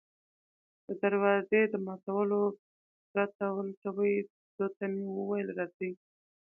د دروازې د ماتولو پرته ولټوي، ده ته مې وویل: راځئ.